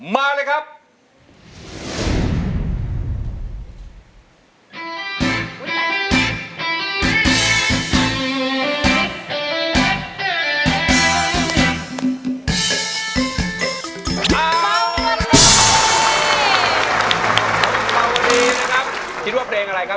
มาเลยครับ